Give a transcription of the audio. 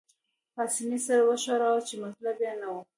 پاسیني سر وښوراوه، چې مطلب يې نه وو.